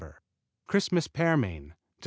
Christmas Pearmain Dec.